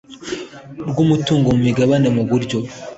Rw umutungo mu migabane mu buryo